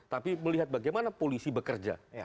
tapi melihat bagaimana polisi bekerja